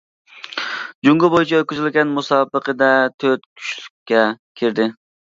جۇڭگو بويىچە ئۆتكۈزۈلگەن مۇسابىقىدە تۆت كۈچلۈككە كىردى.